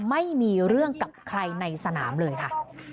ไม่มีเรื่องกับใครในสนามเลยค่ะ